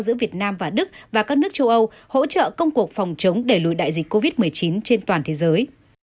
giữa việt nam và đức và các nước châu âu hỗ trợ công cuộc phòng chống đẩy lùi đại dịch covid một mươi chín trên toàn thế giới